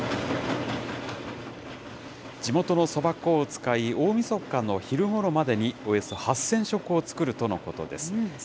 地元のそば粉を使い、大みそかの昼ごろまでにおよそ８０００食を作るとのことです。